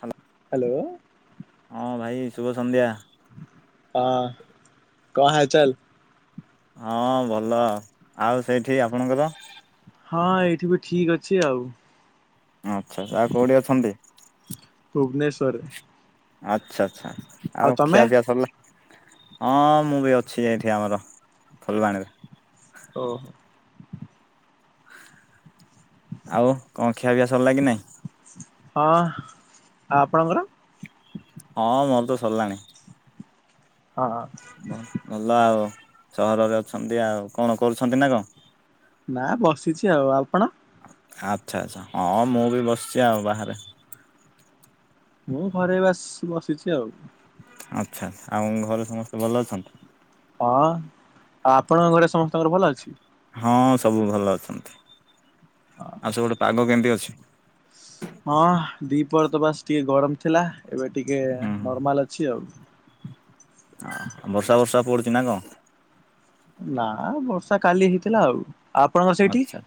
Hello hello. ହଁ ଭାଇ ଶୁଭ ସନ୍ଧ୍ୟା। ହଁ କଣ ହାଲ ଚାଲ? ହଁ ଭଲ ଆଉ ସେଇଠି ଆପଣଙ୍କର ହଁ ଏଇଠି ବି ଠିକ ଅଛି ଆଉ। ଆଚ୍ଛା ଆଉ କୋଉଠି ଅଛନ୍ତି? ଭୁବନେଶ୍ୱର ରେ। ଆଚ୍ଛା ଆଚ୍ଛା ଆଉ ଖିଆ ପିଆ ସରିଲା। ହଁ ମୁଁ ବି ଅଛି ଯାଇଠି ଆମର ଫୁଲବାଣୀରେ। ଓହୋ। ଆଉ କଣ ଖିଆ ପିଆ ସରିଲା କି ନାଇଁ? ହଁ ଆ ଆପଣଙ୍କର? ହଁ ମୋର ତ ସରିଲାଣି। ହଁ ହଁ। ଭଲ ଆଉ ସହରରେ ଅଛନ୍ତି ଆଉ କଣ କରୁଛନ୍ତି ନା କଣ? ନା ବସିଛି ଆଉ ଆପଣ? ଆଚ୍ଛା ଆଚ୍ଛା ହଁ ମୁଁ ବି ବସିଛି ଆଉ ବାହାରେ। ମୁଁ ଘରେ ଆସି ବସିଛି ଆଉ। ଆ୍ଛା ଆମ ଘରେ ସମସ୍ତେ ଭଲ ଅଛନ୍ତି? ହଁ ଆଉ ଆପଣଙ୍କ ଘରେ ସମସ୍ତଙ୍କର ଭଲ ଅଛି? ହଁ ସବୁ ଭଲ ଅଛନ୍ତି ଆଉ ସେପଟେ ପାଗ କେମିତି ଅଛି? ହଁ ଦିପର ତ ବାସ ଟିକେ ଗରମ ଥିଲା ଏବେ ଟିକେ ହୁଁ ନର୍ମାଲ ଅଛି ଆଉ। ଚିନାକ ନା ବର୍ଷା କାଲି ହେଇଥିଲା ଆଉ ଆପଣଙ୍କ ସେଇଠି? ଆଚ୍ଛା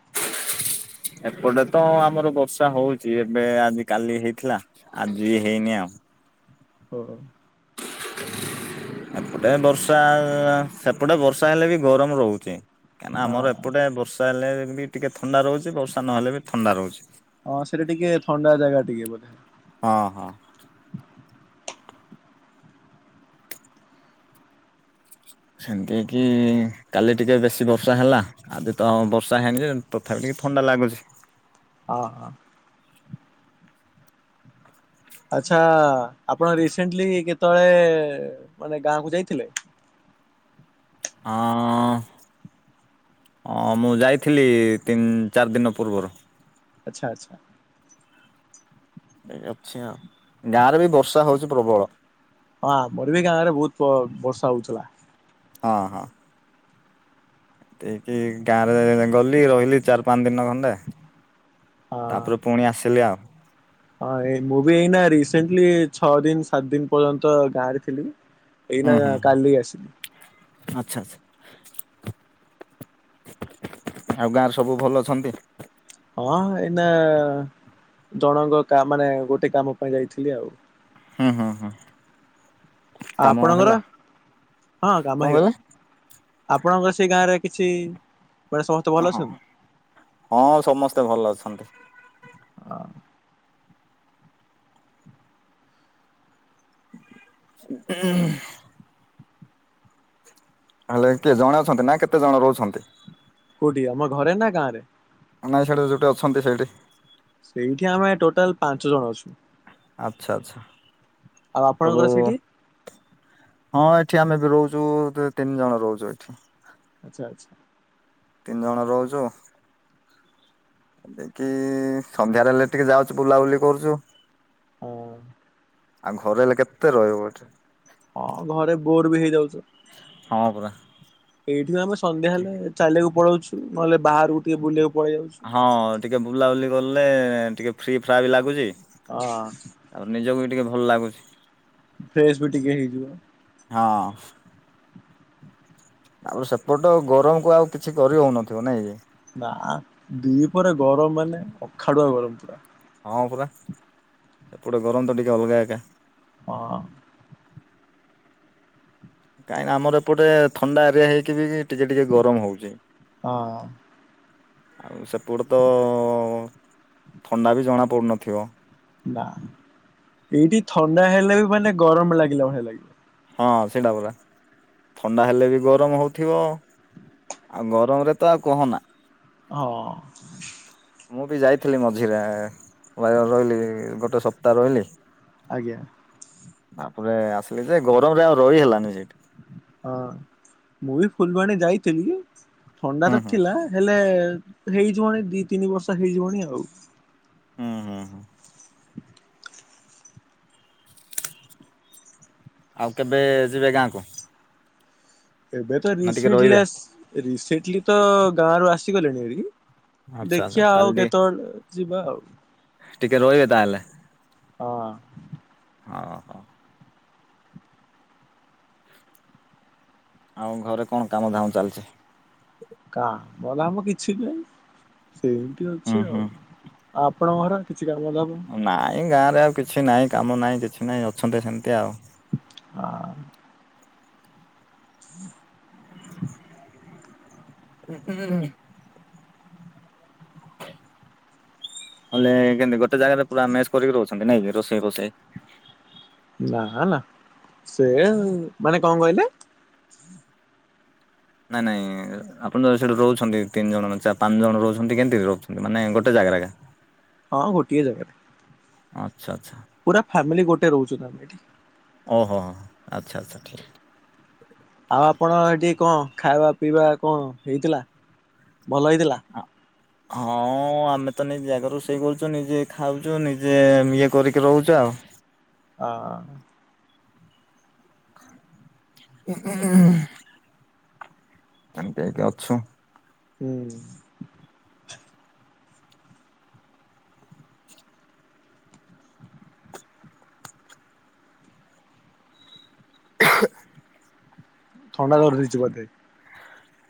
ଏପଟେ ତ ଆମର ବର୍ଷା ହଉଚ ଏବେ ଆଜି କାଲି ହେଇଥିଲା ଆଜି ବି ହେଇନି ଆଉ। ହ ଏପଟେ ବର୍ଷା ସେପଟେ ବର୍ଷା ହେଲେ ବି ଗରମ ରହୁଛି। କାହିଁକିନା ଆମର ହଁ ଏପଟେ ବର୍ଷା ହେଲେ ବି ଟିକେ ଥଣ୍ଡା ରହୁଛି ବର୍ଷା ନହେଲେ ବି ଥଣ୍ଡା ରହୁଛି। ହଁ ସେଟା ଟିକେ ଥଣ୍ଡା ଜାଗା ଟିକେ ବୋଧେ। ହଁ ହଁ। ସେମିତି କି କାଲି ଟିକେ ବେଶୀ ବର୍ଷା ହେଲା ଆଜି ତ ବର୍ଷା ହେଇଣି ଯେ ତଥାପି ଟ ଥଣ୍ଡା ଲାଗୁଛି। ହଁ ହ। ଆଛା ଆପଣ ରିସେଣ୍ଟଲି କେତେବେଳେ ମାନେ ଗାଁ କୁ ଯାଇଥିଲେ। ହଁ ହଁ ମୁଁ ଯାଇଥିଲି ତିନି ଚାରି ଦିନ ପୂର୍ବରୁ। ଆଚ୍ଛା ଆଚ୍ଛା। ଅଛି ଆ ଗାଁ ରେ ବି ବର୍ଷା ହଉଛି ପ୍ରବଳ। ହଁ ଆ ମୋର ବି ଗାଁ ରେ ବହୁତ ବର୍ଷା ହଉଥିଲା। ହଁ ହଁ। ଦେଇକି ଗାଁରେ ଗଲି ରହିଲି ଚାରି ପାଞ୍ଚ ଦିନ ଖଣ୍ଡେ ହଁ। ତାପରେ ପୁଣି ଆସିଲେ ଆଉ। ହଁ ଏ ମୁଁ ବି ଏଇନା ରିସେଣ୍ଟଲି ଛଅ ଦିନ ସାତ ଦିନ ପର୍ଯ୍ୟନ୍ତ ଗାଁରେ ଥିଲି। ଏଇ ହୁଁ ନା ହୁଁ କାଲି ଆସିଲି। ଆଚ୍ଛା ଆଚ୍ଛା। ଆଉ ଗାଁରେ ସବୁ ଭଲ ଅଛନ୍ତି? ହଁ ଏଇନା ଜଣଙ୍କ ମାନେ ଗୋଟେ କାମ ପାଇଁ ଯାଇଥିଲି ଆଉ। ହଁ ହଁ ହଁ। ଆପଣଙ୍କର ହଁ କାମ କଣ ହେଇଗଲା। କହିଲେ? ଆପଣଙ୍କର ସେଇ ଗାଁରେ କିଛି ମାନେ ସମସ୍ତେ ଭଲ ଓ ହଁ ଅଛନ୍ତି? ହଁ ସମସ୍ତେ ଭଲ ଅଛନ୍ତି। ହଁ [unintelligible] ହେଲେ କିଏ ଜଣେ ଅଛନ୍ତି ନା କେତେ ଜଣ ରହୁଛନ୍ତି? କୋଉଠି ଆମ ଘରେ ନା ଗାଁରେ? ନାଇଁ ସେଇଠି ଯୋଠି ଅଛନ୍ତି ସେଇଠି। ସେଇଠି ଆମେ ଟୋଟାଲ ପାଞ୍ଚ ଜଣ ଅଛୁ। ଆଚ୍ଛା ଆଚ୍ଛା। ଆଉ ସବୁ ଆପଣଙ୍କର ସେଠି? ହଁ ଏଠି ଆମେ ବି ରହୁଚୁ ତି-ତିନି ଜଣ ରହୁଚୁ ଏଠି। ଆଚ୍ଛା ଆଚ୍ଛା। ତିନି ଜଣ ରହୁଚୁ। ଦେକି ସନ୍ଧ୍ୟାରେ ହେଲେ ଟିକେ ଯାଉଚୁ ବୁଲାବୁଲି କରୁଚୁ। ହଁ। ଆଉ ଘରେ ହେଲେ କେତେ ରହିବ ଏଠି। ହଁ ଘରେ ବୋର ବି ହେଇଯାଉଚ। ହଁ ପୁରା। ଏଇଠି ବି ଆମେ ସନ୍ଧ୍ୟା ହେଲେ ଚାଲିଆକୁ ପଳଉଚୁ ନହେଲେ ବାହାରକୁ ଟିକେ ବୁଲିଆକ ହଁ ଟିକେ ବୁଲାବୁଲି କଲେ ଟିକେ ଫ୍ରି ଫ୍ରା ବି ଲାଗୁଚି। ହଁ ଆଉ ନିଜକୁ ବି ଟିକେ ଭଲ ଲାଗୁଛି। ଫ୍ରେଶ ବି ଟିକେ ହେଇଯିବ। ହଁ। ତା ପରେ ସେପଟ ଗରମକୁ ଆଉ କିଛି କରି ହଉନଥିବ ନାଇଁ? ନା ଦି ପହରେ ଗରମ ମାନେ ଅଖାଡୁଆ ଗରମ ପୁରା। ହଁ ପରା ସେପଟେ ଗରମ ତ ଟିକେ ଅଲଗା ଏକା। ହଁ। କାହିଁ ନା ଆମର ଏପଟେ ଥଣ୍ଡା ଏରିଆ ହେଇକି ବି ଟିକେ ଟିକେ ଗରମ ହଉଚି। ହଁ ଆଉ ସେପଟେ ତ ଥଣ୍ଡା ବି ଜଣା ପଡୁନଥିବ? ନା ଏଇଠି ଥଣ୍ଡା ହେଲେ ବି ମାନେ ଗରମ ଲାଗିଲା ଭଳିଆ ଲାଗିବ। ହଁ ସେଇଟା ପରା ଥଣ୍ଡା ହେଲେ ବି ଗରମ ହଉଥିବ। ଆଉ ଗରମରେ ତ ଆଉ କହନା। ହଁ। ମୁଁ ବି ଯାଇଥିଲି ମଝିରେ ରହି-ରହିଲି ଗୋଟେ ସପ୍ତାହ ରହିଲି। ଆଜ୍ଞା। ତା ପରେ ଆସିଲି ଯେ ଗରମରେ ଆଉ ରହି ହେଲାନି ସେଠି। ହଁ ମୁଁ ବି ଫୁଲବାଣୀ ଯାଇଥିଲି। ଥଣ୍ଡା ହୁଁ ତ ହୁଁ ଥିଲା ହେଲେ ହେଇଯିବଣି ଦି ତିନି ବର୍ଷ ହେଇଯିବଣି ଆଉ। ହୁଁ ହୁଁ ହୁଁ। ଆଉ କେବେ ଯିବେ ଗାଁ କୁ? ଏବେ ତ ରିସେଣ୍ଟଲିଶ୍ ରିସେଣ୍ଟଲି ତ ଗାଁ ରୁ ଆସିଗଲିଣି ହେରି। ଆଚ୍ଛା ଆଚ୍ଛା ଦେଖିବା ତାହେଲେ ଆଉ ଟିକେ କେତେବେଳେ ଯିବା ଆଉ। ଟିକେ ରହିବେ ତା ହେଲେ? ହଁ ଆଉ ଘରେ କଣ କାମ ଧାମ ଚାଲିଚି? କାମ ଧାମ କିଛି ନାଇଁ ସେମତି ଅଛି ହୁଁ ଆଉ। ହୁଁ ଆପଣଙ୍କ ଘର କି ନାଇଁ ଗାଁରେ ଆଉ କିଛି ନାଇଁ କାମ ନାଇଁ କିଛି ନାଇଁ ଅଛନ୍ତି ସେମିତି ଆଉ। ହଁ। ହୁଁ ହୁଁ ହୁଁ ଉଁ। ହେଲେ କେମତି ଗୋଟେ ଜାଗାରେ ପୁରା ମେସ୍ କରିକି ରହୁଛ। କ ନା ରୋଷେଇ ଫୋଷାଇ ନା ନା ସେ ମାନେ କଣ କହିଲେ? ନାଇଁ ନାଇଁ ଆପଣ ଯ ସେଠି ରହୁଛନ୍ତି ତିନି ଜଣ ମେ ପାଞ୍ଚ ଜଣ ରହୁଛନ୍ତି କେମିତି ରହୁଛନ୍ତି ମାନେ ଗୋଟେ ଆ୍ରାଗ ହଁ ଗୋଟିଏ ଜାଗାରେ। ଆଛା ଆଚ୍ଛା। ପୁରା ଫ୍ୟାମିଲି ଗୋଟେ ରହୁଛୁ ନ ଆମେ ଏଠି। ଓ ହୋ ହ ହ ଆଚ୍ଛା ଆଚ୍ଛା ଠିକ। ଆଉ ଆପଣ ଏଠି କଣ ଖାଇବା ପିଇବା କଣ ହେଇଥିଲା। ଭଲ ହେଇଥିଲା? ହଁ ଆମେ ତ ନି ଜାଗା ରୋଷେଇ କରୁଛୁ ନିଜେ ଖାଉଛୁ ନିଜେ ଇଏ କରିକି ରହୁଛୁ ଆଉ। ହ। [unintelligible] ଏମତି ହେଇକି ଅଛୁ। ହୁଁ। [inaudible] ଥଣ୍ଡା ଧରିଦେଇଛି ବୋଧେ।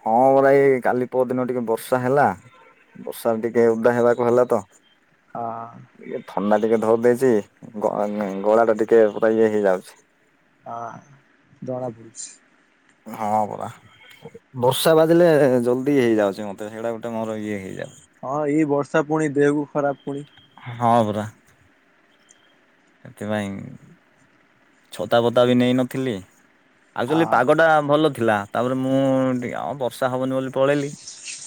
ହଁ ପରା ଏଇ କାଲି ପର ଦିନ ଟିକେ ବର୍ଷା ହେଲା ବର୍ଷା ଟିକେ ଉଦା ହେବାକୁ ହେଲା ତ ହଁ। ଟିକେ ଥଣ୍ଡା ଟିକେ ଧରି ଦେଇେଇଛି ଗଳା ଟା ଟିକେ ପୁରା ଇଏ ହେଇଯାଉଛି। ହଁ ଜଣା ପଡୁଛି। ହଁ ପରା ବର୍ଷା ବାଜିଲେ ଜଲଦି ହେଇଯାଉଛି ମତେ ସେଇଡା ଗୋଟେ ମୋର ଇଏ ହେଇଯାଉଛି। ହଁ ଏଇ ବର୍ଷା ପୁଣି ଦେହକୁ ଖରାପ ପୁଣି ହଁ ପରା। ସେଥିପାଇଁ ଛତା ପତା ବି ନେଇନଥିଲି ଆ ଆକ୍ଚୁଆଲି ପାଗ ଟା ଭଲ ଥିଲା ତାପରେ ମୁଁ ବର୍ଷା ହବନି ବୋଲି ପଳେଇଲି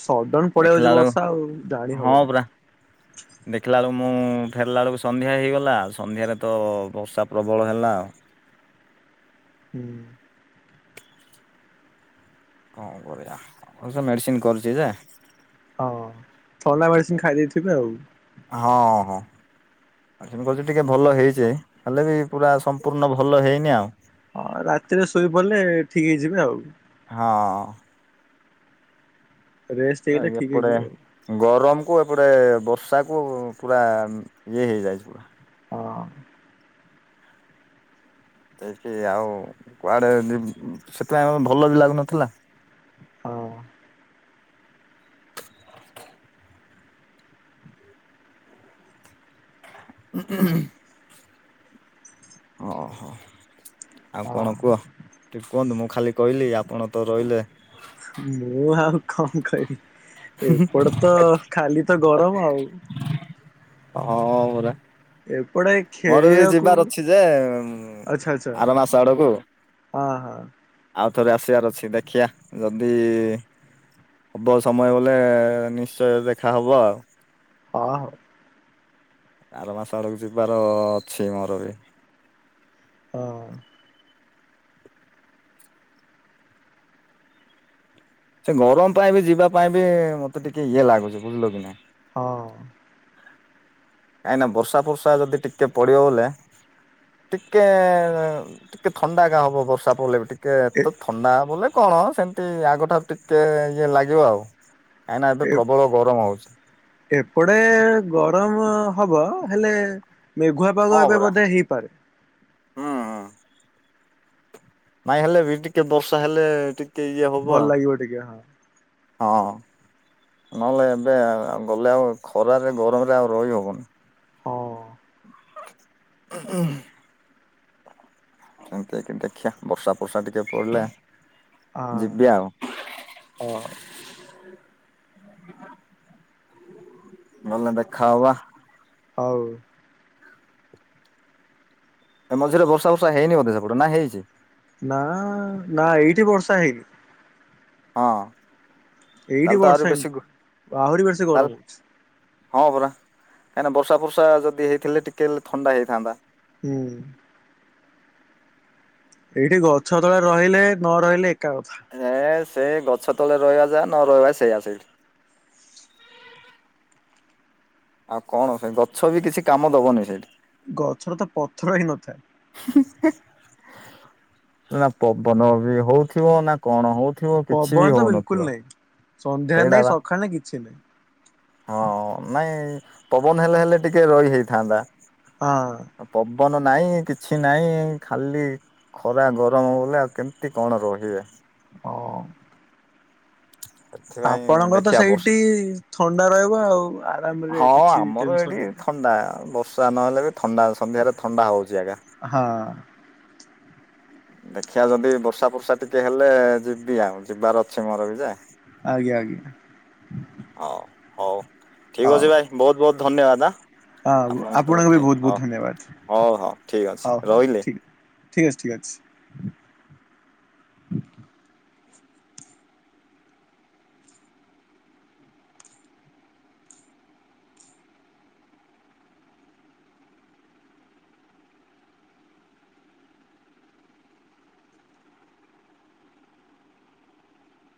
ସଡନ ପଳେଇ ଆଉଛି ଦେଖିଲା ବେଳକୁ ବର୍ଷା ଆଉ ଜାଣି ହଁ ହବନି। ପା ଦେଖିଲା ବେଳକୁ ମୁଁ ଫେରିଲା ବେଳକୁ ସନ୍ଧ୍ୟା ହେଇଗଲା ସନ୍ଧ୍ୟାରେ ତ ବର୍ଷା ପ୍ରବଳ ହେଲା ଆଉ। ହୁଁ। କଣ କରିଆ ସେ ମେଡିସିନ କରିଛି ଯେ ହଁ ଥଣ୍ଡା ମେଡିସିନ୍ ଖାଇ ଦେଇେଇଥିବେ ଆଉ। ହଁ ହଁ। ଆ କହୁଚ ଟିକେ ଭଲ ହେଇଛେ ହେଲେ ବି ପୁରା ସମ୍ପୂର୍ଣ୍ଣ ଭଲ ହେଇନି ଆଉ। ହଁ ରାତିରେ ଶୋଇପିଲେ ଠିକ ହେଇଯିବେ ଆଉ। ହଁ। ରେଷ୍ଟ ଆ ହେଇଗଲେ ଠିକ୍ ଏପଡେ ହେଇଯିବ ଆଉ। ଗରମ କ ଏପଟେ ବର୍ଷାକୁ ପୁରା ଇଏ ହେଇଯାଇଛି ପୁରା। ହଁ। ଦେ ଆଉ କୁଆଡେ ସେଥିପାଇଁ ଭଲ ବି ଲାଗୁନଥିଲା ହଁ। [inaudible] [inaudible] ଓହୋ ଆଉ କଣ ହଁ କୁହ? କୁହନ୍ତୁ ମୁଁ ଖାଲି କହିଲି ଆପଣ ତ ରହିଲେ ମୁଁ ଆଉ କଣ କହିବି ଏପଟ ତ ଖାଲି ଏତେ ଗରମ ଆଉ। ହଁ ପରା। ଏପଟେ ମୋର ବି ଖେଳିବାକୁ ଯିବାର ଅଛି ଯେ ଆଚ୍ଛା ଆଚ୍ଛା ଆର ମାସ ଆଡକୁ। ହଁ ହଁ। ଆଉ ଥରେ ଆସିବାର ଅଛି ଦେଖିବା ଯଦି ହବ ସମୟ ହେଲେ ନିଶ୍ଚୟ ଦେଖା ହବ ଆଉ। ହଁ ହଉ। ଆର ମାସ ଆଡକୁ ଯିବାର ଅଛି, ମୋର ବି। ହଁ। ସେ ଗରମ ପାଇଁ ବି ଯିବା ପାଇଁ ବି ମତେ ଟିକେ ଇଏ ଲାଗୁଛି, ବୁଝିଲ କି ନାଇଁ? ହଁ। କାହିଁ ନା ବର୍ଷା ଫର୍ଷା ଯଦି ଟିକେ ପଡିବ ବୋଲେ ଟିକେ ଟିକେ ଥଣ୍ଡା ଏକା ହବ ବର୍ଷା ପଡ଼ିଲେ ବି ଟିକ କେ ଏ ଏତେ ଥଣ୍ଡା ହବୋଲେ କଣ ସେମିତି ଆଗଠାରୁ ଟିକେ ଇଏ ଲାଗିବ ଆଉ। କାହିଁକିନା ଏବେ ପ୍ରବଳ ଗରମ ହଉଛି। ଏପ ଏପଡେ ଗରମ ହବ ହେଲେ ମେଘୁଆ ପାଗ ଏବେ ବୋଧେ ହେଇପାରେ। ହଁ-ଅ। ନାଇଁ ହେଲେ ବି ଟିକେ ବର୍ଷା ହେଲେ ଟିକ ଭଲ ଲାଗିବ ଟିକେ, ହଁ। ହଁ। ନହେଲେ ଏବେ ଆଉ ଗଲେ ଆଉ ଖରାରେ ଗରମରେ ଆଉ ରହି ହବନି। ହଁ ଉଁ ଉଁ। ସେମିତି ଆକେ ଦେଖିଆ ବର୍ଷା ଫର୍ଷା ଟିକେ ପଡିଲା ହଁ। ହଉ [inaudible] ଗଲେ ଦେଖାହବା? ଅଉ। ଏ ମଝିରେ ବର୍ଷା ବର୍ଷା ହେଇନି ବୋଧେ ସେପଟେ ନା ହେଇଛି? ନାଁ ନା ଏଇଠି ବର୍ଷା ହେଇନି। ହଁ-ଅ। ଏଇଠି ବର୍ଷା ହେଇନି ଆହୁରି ବେଶି ତାହେଲେ ଗରମ ହଉଛି। ହଁ ପରା କାହିଁକିନା ବର୍ଷା ଫର୍ଷା ଯଦି ହେଇଥିଲେ, ଟିକେ ହେଲେ ଥଣ୍ଡା ହେଇଥାନ୍ତା। ହୁଁ। ଏଇଠି ଗଛ ତଳେ ରହିଲେ ନ ରହିଲେ ଏକା କଥା। ସେଇ ଗଛ ତଳେ ରହିବା ଯାହା ନ ରହିବା ସେଇଆ ସେଇଠି। ଆଉ କଣ ସେ ଗଛ ବି କିଛି କାମ ଦବନି ସେଇଠି। ଗଛରେ ତ ପଥର ହିଁ ନଥାଏ। ନା ପବନ ବି ହଉଥିବ ନା କଣ ହଉ ପବନ ତ ବିଲକୁଲ ନାହିଁ ସନ୍ଧ୍ୟାରେ, ସେଇଟା ନାଇଁ ବା ସକାଳେ ନାଇଁ କିଛି ନାହିଁ। ହଁ ନାଇଁ ପବନ ହେଲେ ହେଲେ ଟିକେ ରହି ହେଇଥାନ୍ତା। ହଁ। ପବନ ନାହିଁ କିଛି ନାହିଁ ଖାଲି ଖରା ଗରମ ବଲେ ଆଉ କେମିତି କଣ ରହିବେ? ଅଁ। ସେଥିପାଇଁ ଆପଣଙ୍କର ତ ଦେଖିବା ବର୍ଷ ସେଇଠି ଥଣ୍ଡା ରହିବ, ଆଉ ଆରାମ ରେ କିଛି ଟେନସନ ଏ ନାହିଁ। ଥଣ୍ଡା ବର୍ଷା ନହେଲେ ବି ଥଣ୍ଡା ସନ୍ଧ୍ୟାରେ ଥଣ୍ଡା ହଉଛି ଆଗା। ହାଁ। ଦେଖିବା ଯଦି ବର୍ଷା ଫର୍ଷା ଟିକେ ହେଲେ, ଯିବି ଆଉ ଯିବାର ଅଛି, ମୋର ବି ଯେ! ଆଜ୍ଞା ଆଜ୍ଞା। ହଉ ହଉ ଠିକ ହଉ ଅଛି, ଭାଇ ବହୁତ ବହୁତ ଧନ୍ୟବାଦ। ହଁ ଆପଣଙ୍କ ସହିତ ଆପଣଙ୍କୁ କଥା ବି ହେଇ ବହୁତ ହଉ ବହୁତ ଧନ୍ୟବାଦ ହଉ ହଉ ଠିକ୍ ଅଛି ହଉ ହଉ ରହିଲି। ଠିକ। ଠିକ୍ ଅଛି ଠିକ୍ ଅଛି।